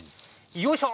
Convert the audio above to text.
よいしょ！